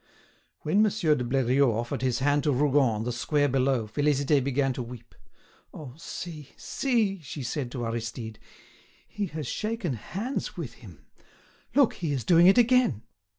When Monsieur de Bleriot offered his hand to Rougon on the square below Félicité began to weep. "Oh! see, see," she said to Aristide. "He has shaken hands with him. Look! he is doing it again!"